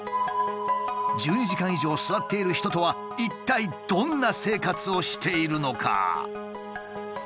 １２時間以上座っている人とは一体どんな生活をしているのか？